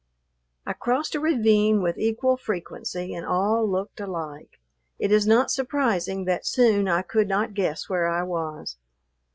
I crossed a ravine with equal frequency, and all looked alike. It is not surprising that soon I could not guess where I was.